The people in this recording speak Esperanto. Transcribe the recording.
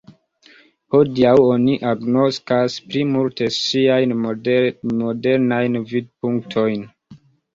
Hodiaŭ oni agnoskas pli multe ŝiajn modernajn vidpunktojn.